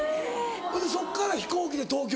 ほいでそっから飛行機で東京。